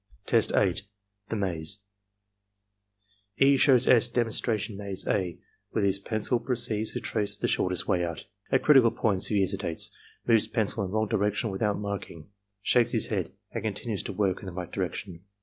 Test 8.— The Maze E. shows S. demonstration maze (a), and with his pencil pro ceeds to trace the shortest way out. At critical points he hesi tates, moves pencil in wrong direction without marking, shakes his head, and continues to work in the right direction.